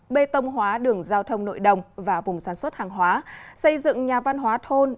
bê tông hóa đường giao thông nội đồng và vùng sản xuất hàng hóa xây dựng nhà văn hóa thôn